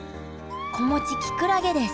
子持ちきくらげです